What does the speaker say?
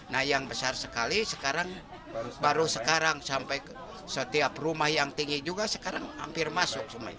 nah yang besar sekali sekarang baru sekarang sampai setiap rumah yang tinggi juga sekarang hampir masuk semuanya